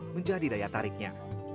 menjadi daya tariknya